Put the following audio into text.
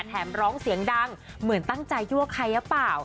ร้องเสียงดังเหมือนตั้งใจยั่วใครหรือเปล่า